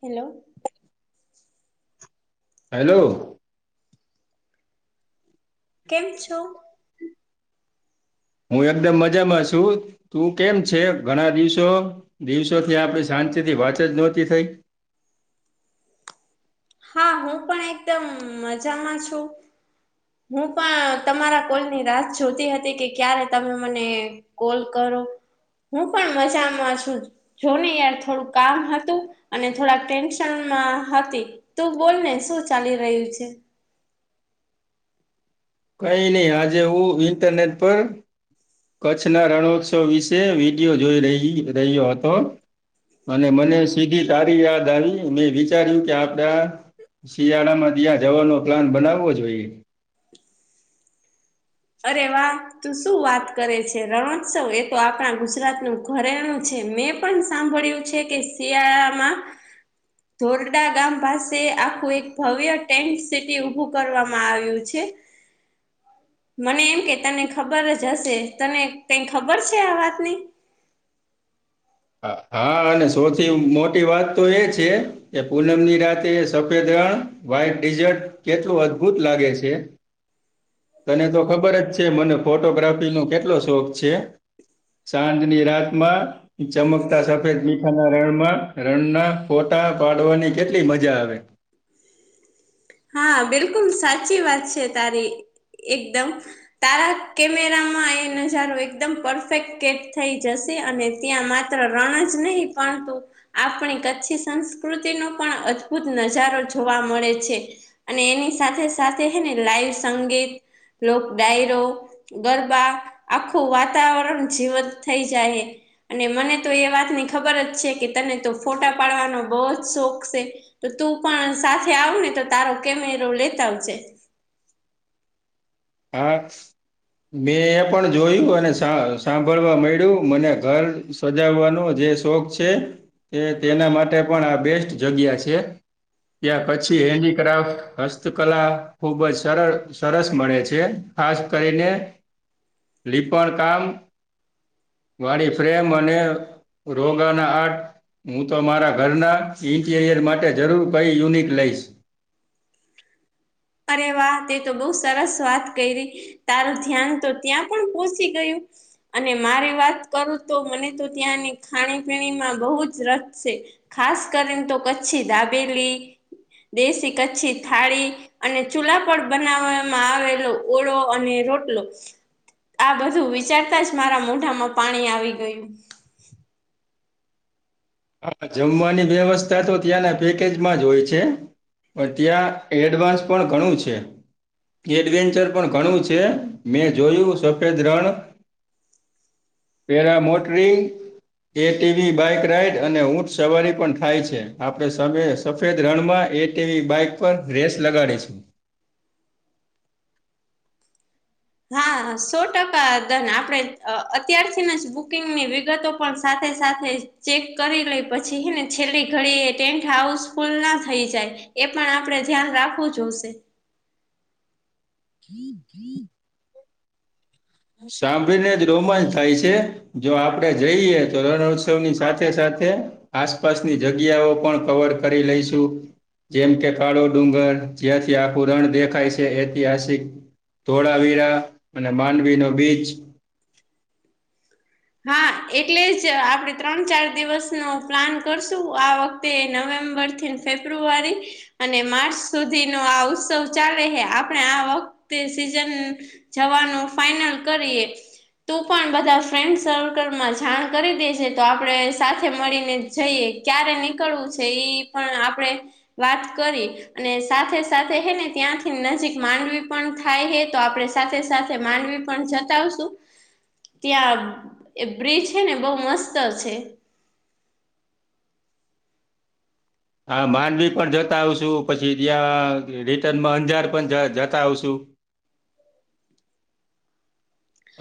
Hello hello કેમ છો? હું એકદમ મજામાં છુ. તું કેમ છે? ઘણા દિવસો દિવસોથી આપડી શાંતિ થી વાત જ નહોતી થઈ. હા, હું પણ એકદમ મજામાં છુ. હું પણ તમારા કોલ ની રાહ જ જોતી હતી કે ક્યારે તમે મને કોલ કરો હું પણ મજામાં છુ. જોને યાર થોડું કામ હતું અને થોડા ટેન્શનમાં હતી. તું બોલ ને શું ચાલી રહ્યું છે. કઈ નહી આજે હું, ઇન્ટરનેટ પર કચ્છના રણોત્સવ વિશે વિડિયો જોઈ રહી રહ્યો હતો. અને મને સીધી તારી યાદ આવી મેં વિચાર્યું કે, આપડા શિયાળા માં ત્યાં જવાનો પ્લાન બનાવવો જોઈએ. અરે વાહ ત શું વાત કરે છે રણોત્સવ એ તો આપણા ગુજરાતનુંું ઘરેલું છે મેં પણ સાંભળ્યું છે. કેસી આ આમામાં ધોરડા ગામ પાસે આખું એક ભવ્ય ટેન્ટ સિટી ઉઊભું કરવામાં આવ્યું છે. મને એમ કે તને ખબર જ હશે તને કઈ ખબર છે આ વાતની હા સૌથી મોટી વાત તો એ છે. એ પૂનમ ની રાતે સફેદ રણ વહાઈટ ડેઝટ કેટલું અદભુત લાગે છે. તને તો ખબર જ છે મને ફોટોગ્રાફી નો કેટલો શોખ છે. સાંજની રાતમાં ચમકતા સફેદ બીખાના રણમાં રણના ફોટા પાડવાની કેટલી મજા આવે હા બિલકુલ સાચી વાત છે તારી એકદમ તારા કેમેરામાં એ નજારો એકદમ પરફેક્ટ કેટ થઈ જશે અને ત્યાં માત્ર રણ જ નહીં પરંતુ આપણી કચ્છી સંસ્કૃતિનો પણ અદભુત નજારો જોવા મળે છે. અને એની સાથે સાથે હેને લાઈવ સંગીત લોક ડાયરો ગરબા આખું વાતાવરણ જીવંત થઈ જાય. અને મને તો એ વાતની ખબર જ છે કે તને તો ફોટા પાડવાનો બહુ જ શોખ છે. તો તું પણ સાથે આવ ને તો તારો કેમેરો લેતા આવજ એકસ મેં એ પણ જોયું અને સાંભળવા મળ્યું મને ઘર સજાવવાનો જે શોખ છે તે તેના માટે પણ આ બેસ્ટ જગ્યા છે. ત્યાાર પછી હેન્ડીક્રાફ્ટ હસ્તકલા ખુબ જ સર સરસ મળે છે. ખાસ કરીને લીપણ કામ વાળી ફ્રેમ અને રોગાના આઠ હું તો મારા ઘરના ઇન્ટીરિયર માટે જરૂર કઈ યુનિક લઈશ અરે વાહ તે તો બહુ સરસ વાત કરી રહી. તારું ધ્યાન તો ત્યાં પણ પોહચી ગયુ અને મારી વાત કરું તો મને તો ત્યાંની ખાણી પીણીમાં બહુ જ રસ છે. ખાસ કરીને તો કચ્છી ધાબેલી દેશી કચ્છી થાળી અને ચૂલા પર બનાવવામાં આવેલો ઓળો અને રોટલો આ બધું વિચારતા જ મારા મોઢામાં પાણી આવી ગયુ. હા જમવાની વ્યવસ્થા તો ત્યાંના પેકેજમાં જ હોય છે. પણ ત્યાં એડવાન્સ પણ ઘણું છે. એડવેન્ચર પણ ઘણું છે, મેં જોયું સફેદ રણ para motoring A TV bike ride અને ઊંટ સવારી પણ થાય છે, આપે સફેદ રણમાં એટીવી બાઈક ઉપ રેસ લગાડે છે. હા, સો ટકા ધન આપણે અત્યારથીને જ બુકિંગની વિગતો પણ સાથે સાથે ચેક કરી લે પછી હ ને છેલ્લી ઘડી એ ટેન્ટ હાઉસફુલ ના થઈ જાય એ પણ આપડણે ધ્યાન રાખવું જો હશે [inaudible] સાંભળીને જ રોમાંચ થાય છે, જો આપડે જઈએ તો રણોત્સવ ની સાથે સાથે આસપાસની જગ્યાઓ પણ કવર કરી લઈશુ જેમ કે કાળો ડુંગર જ્યાંથી આખું રણ દેખાય છે ઐતિહાસિક ધોળાવીરા અને માંડવી નો બીચ. હા એટલે જ આપણે ત્રણ ચાર દિવસનો પ્લાન કરશું આ વખતે. તે નવેમ્બર થી ફેબ્રુઆરી. અને માર્ચ સુધી નો આ ઉત્સવ ચાલે હ આપણે આ વખતે સીઝન. જવાનું ફાઈનલ કરીએ તું પણ બધા ફ્રેન્ડ. સર્કલમાં જાણ કરી દે છે તો આપણેે સાથે મળીને જઈએ ક્યારે નીકળવું છે એ. પણ આપણે વાત કરી. અને સાથે સાથે હે ને ત્યાંથી નજીક માંડવી પણ થાય હે તો આપડે સાથે સાથે માંડવી. પણ જતાવશું ત્યાં એ બ્રિજ છે ને બહ મસ્ત છે. હા નવી પણ જતા આવશુ પછી ત્યાં રિટર્નમાં અંજાર પણ જતા આવશુ.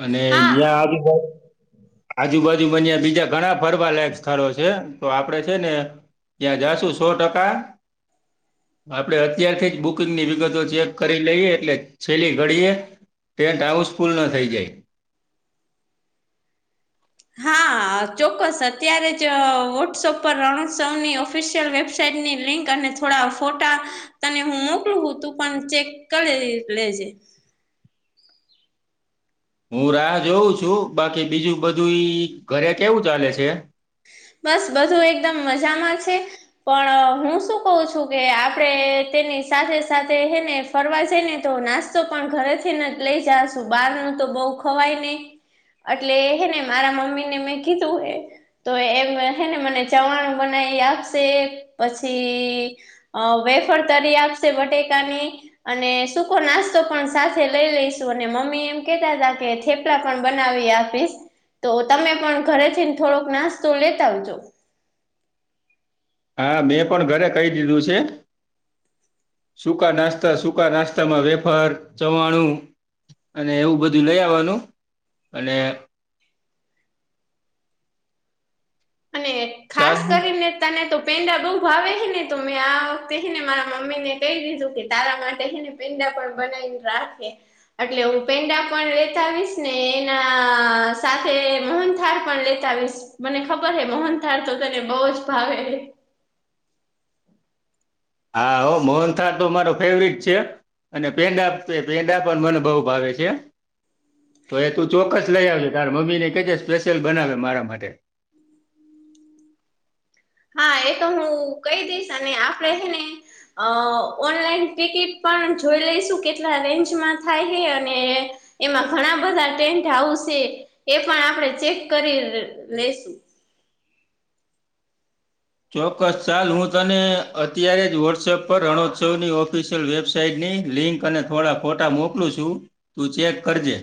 અને હા. જ્યાં આજ. આજુબાજુ બન્યા બીજા ઘણા ફરવાલાાયક સ્થળો છે તો આપડે છે ને. ત્યાં જાશુ સો ટકા. આપડે અત્યારથી જ બુકિંગ ની વિગતો ચેક કરી લઈએ એટલે છેલ્લી ઘડીએ. ટેન્ટ હાઉસ ફુલ ના થઈ જાય. હા ચોક્કસ અત્યારે જ વોટ્સઅપ પર રણોત્સવની ઓફિશિયલ વેબ. સાટની લિંક અને થોડા ફોટા. તને હું મોકલું તું પણ ચેક કરે લેજે. હું રાહ જોઉં છું બાકી બીજું બધું ઘરે કેવું ચાલે છે. બસ બધું એકદમ મજામાં છે. પણ હું શું કું છું કે આપડે તેની સાથે સાથે હે ને. ફરવા જાય ને તો નાસ્તો પણ ઘરેથીને જ લઈ જાશું બહાર ન તો બહ ખવાય ને. એટલે હે ને મારા મમ્મી ને મેં કીધું હ તો. હેને મને ચવાણ બનાવી આપશે પછી. અ વેફર તરી આપશે બટેકાની. અને સૂકો નાસ્તો પણ સાથે લઈ લઈશું અને મમ્મી એમ કેતા હતા કેે. પણ બનાવી આપીશ તો તમે પણ ઘરેથીને થોડોક નાસ્તો લેતા આવજો. હા મેં પણ ઘરે કહી દીધું છે. સૂકા નાસ્્તા સુૂકા નાસ્્તામાં વેફાર ચવાણું. અને એવું બધું લઈ આવવાનું અને. અને ખાસ સાદું કરીને. તને તો પેંડા બહુ ભાવે હ ને તો મેં આ વખતેને મારા મમ્મી ને કહી દીધું કે તારા માટેને. મીડા પણ બનાવીને રાખે. એટલે હું પેંડા પણ લેતા આવીશ ને એના સાથે મોહન થળ પણ લેતા આવીશ. મને ખબર હે બહન થળ તો તને બહ જ ભાવે. હા હો મોહનથા તો મારો ફેવરટ છે. અને પેંડા પેંડા પણ મને બઉુ ભાવે છે. તો એ તું ચોક્કસ લઈ આવજ તાર મમ્મી ને કે છે સ્પેશિયલ બનાવે મારા માટે. હા એ તો હું કહી દઈશ અને આપડે હને. અ ઓનલાઈન ટિકિટ પણ જોઈ લઈશું કેટલા રેન્જમાં થાય હ અને. એમાં ઘણા બધા ટેન્ટ હાઉસ છે એ પણ આપણે ચેક કરી લસું. ચોક્કસ ચાલ હું તને અત્યારે જ વોટ્સએપ પર રણોત્સવની ઓફિસ. વેબસાાઈટની લિંક અને થોડા ફોટા મોકલું છું તું ચેક કરજે.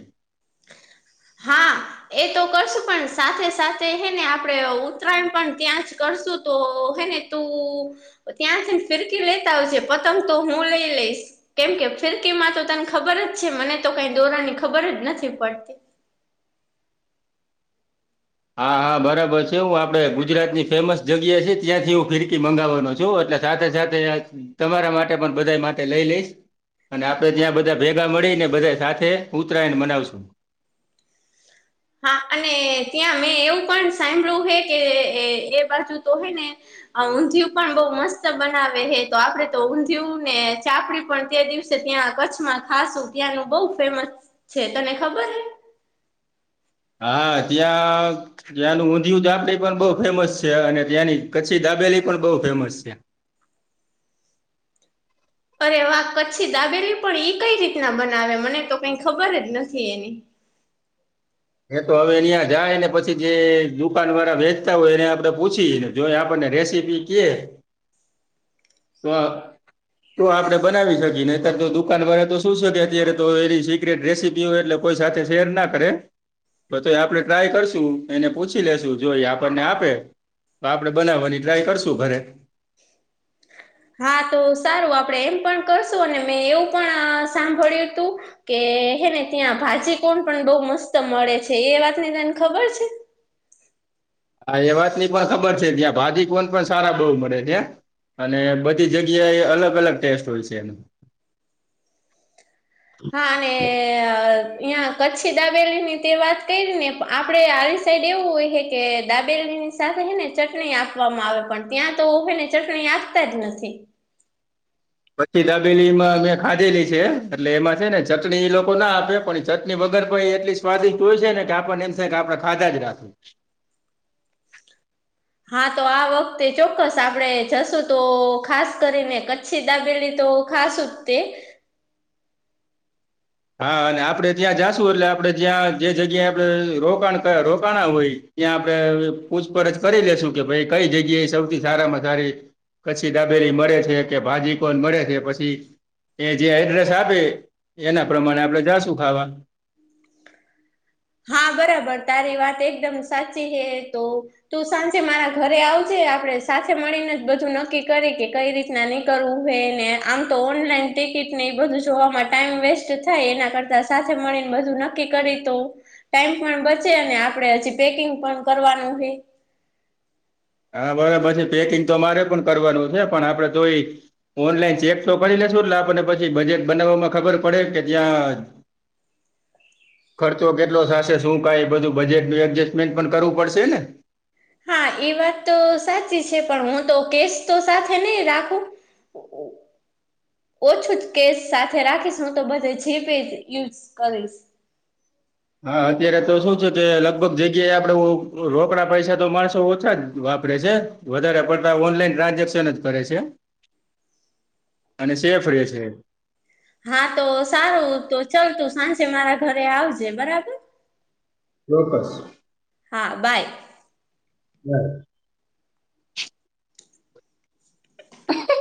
હા. એ તો કરશું પણ સાથે સાથે હેને આપણેે ઉતરાયણ પણ ત્યાં જ કરશું તો હેને. તું ત્યાંથી ફિરકી લેતા આવજે પતંગ તો હું લઈ લઈશ. કેમ કે ફિરકીમાં તો તને ખબર જ છે મને તો કઈ ધોરણ ની ખબર જ નથી પડતી. હા હા બરાબર છે હું આપડે ગુજરાતની ફેમસ જગ્યા છે ત્યાંથી હું ફિરકી મંગાવવાનો છું એટલે. સાથે સાથે તમારા માટે પણ બધા માટે લઈ લઈશ. અને આપડે ત્યાં બધા ભેગા મળીને બધા સાથે ઉત્તરાયણ બનાવશું. હા અને ત્યાં મેં એવું પણ સાંભળું હે કે એ બાજુ તો હે ને ઊંધિયું પણ બઉ મસ્ત બનાવે હે તો આપડે તો ઊંધિયું ને ચાપડી પણ તે દિવસે ત્યાં કચ્છમાં ખાસું ત્યાંનું બહ ફેમસ છે તને ખબર હા એ ત્યા ત્યાંનું ઊંધિયું ચાપડી પણ બહુ ફેમસ છે અને ત્યાંની કચ્છી દાબેલી પણ બઉુ ફેમસ છે અરે વા કચ્છી દાબેલી પણ એઈ કઈ રીતના બનાવે મને તો કઈ ખબર જ નથી એની એ તો હવે અહયા જાય ને પછી જે દુકાન વાળા વેચતા હોય એને આપડે પૂછીને જો એ આપણને રેસીપી કએ તો તો આપડે બનાવી શકીએ ને અત્યારે તો દુકાન વાળ તો શું શકે અત્યારે તો એનીી રેસીપી એટલે કોઈ સાથે શેર ના કરે તો તો એ આપડણે ટ્રાય કરશું એને પૂછી લેશુ જોઈ આપણને આપે તો આપડણે બનાવવાની ટ્રાય કરશું ઘરે હા તો સારું આપડે એમ પણ કરશું અને મેં એવું પણ સાંભળ્યું તું કે હે ને ત્યાં ભાજી કોણ પણ બઉ મસ્ત મળે છે એ વાત ને તને ખબર છે હા એ વાત ની પણ ખબર છે ત્યાં ભાજી કોણ પણ સારા બહ મળે ત્યાં અને બધી જગ્યા એ અલગ અલગ ટેસ્ટ હોય છે એનો હા અને હં કચ્છી દાબેલી ની તે વાત કરીને આપડે આ સાઈડ એવું હોય છે કે દાબેલીની સાથેને ચટણી આપવામાં આવે પણ ત્યાં તો હેને ચટણી આપતા જ નથી પછી દાબેલી માં મેમે ખાધેલી છે એટલે એમાં છે ને ચટણી એ લોકો ના આપે પણ ચટણી વગર પણ એટલી સ્વાદિષ્ટ હોય છે ને કે આપણને એમ થ કે આપણેે ખાધા જ રાખું હા તો આ વખતે ચોક્કસ આપડે જશું તો ખાસ કરીને છીધાબીલી તો ખાસટતી હા અને આપડે ત્યાં જાશું એટલે આપડે જ્યાં જે જગ્યાએ આપડે રોકાણ રોકાણા હોય ત્યાં આપડે પૂછપરછ કરી લેશું કે ભાઈ કઈ જગ્યા એ સૌથી સારામાં સારી કચ્છી દાબેરી મળે છે કે ભાજી કોણ મળે છે પછી એ જે એડ્રેસ આપે એના પ્રમાણે આપણેે જાશું ખાવા હા બરાબર તારી વાત એકદમ સાચી છે તો તું સાંજે મારા ઘરે આવજે આપે સાથે મળીને જ બધું નક્કી કરે કે કઈ રીતે ન કરવું હોય ને આમ તો ઓનલાઈન ટિકિટ ને એ બધું જોવામાં ટાઈમ વેસ્ટ થાય એના કરતા સાથે મળીને બધું નક્કી કરીે તો ટાઈમ પણ બચે અને આપડે હજી પેકિંગ પણ કરવાનું હોય હા બરા પછી પેકિંગ તો અરે પણ કરવાનું છે પણ આપડે તોય ઓનલાઈન ચેક તો કરી લેશુટલે આપણને પછી બજેટ બનાવવામાં ખબર પડે કે ત્યાં ખર્ચો કેટલો થશે શું કઈ બધું બજેટનું એડજસ્ટમેન્ટ પણ કરવું પડશે ને હા એ વાત તો સાચી છે પણ હું તો કેસ તો સાથે નહી રાખું ઓ ઓ ઓછું જ કેસ સાથે રાખીશ હું તો બધે જીપ યુઝ કરીશ હા અત્યારે તો શું છે કે લગભગ જગ્યાએ આપડે રોકડા પૈસા તો માણસો ઓછા જ વાપરે છે વધારે પડતા ઓનલાઈન ટ્રાન્ઝેક્શન જ કરે છે અને સેફ રહે છે હા તો સારું તો ચાલતું સાંજે મારા ઘરે આવજે બરાબર ચોકસ હા બાય હમ હ